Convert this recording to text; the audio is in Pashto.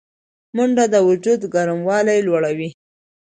منډه د وجود ګرموالی لوړوي